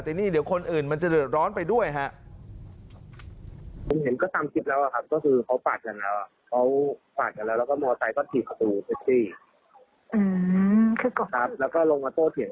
แล้วก็ลงมาโต้เถียงกัน